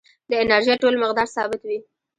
د انرژۍ ټول مقدار ثابت وي.